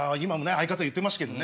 相方言ってましたけどね